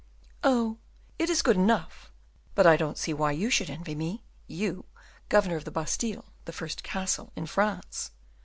"Oh, it is good enough; but I don't see why you should envy me; you, governor of the Bastile, the first castle in France."